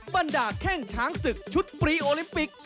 บรรดาแข้งช้างศึกชุดปรีโอลิมปิก